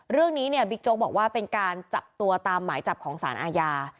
เรื่องนี้เนี่ยบิ๊กโจ๊กบอกว่าเป็นการจับตัวตามหมายจับของสารอาญา